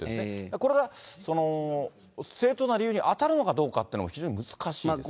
これが正当な理由に当たるのかどうかというのも非常に難しいです